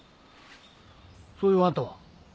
そういうあんたは？